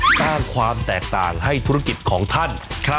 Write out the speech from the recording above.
สร้างความแตกต่างให้ธุรกิจของท่าน